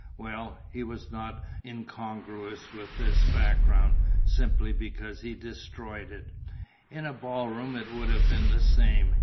Well, he was not incongruous with this background, simply because he destroyed it. In a ball room it would have been the same.